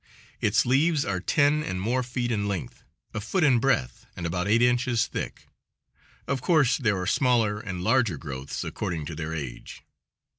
Its leaves are ten and more feet in length, a foot in breadth and about eight inches thick. Of course, there are smaller and larger growths, according to their age.